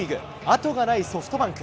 後がないソフトバンク。